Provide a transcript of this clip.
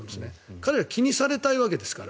彼らは気にされたいわけですから。